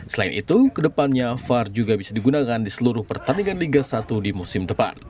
selain itu kedepannya var juga bisa digunakan di seluruh pertandingan liga satu di musim depan